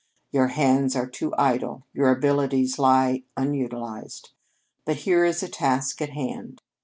Your hands are too idle; your abilities lie unutilized. But here is a task at hand.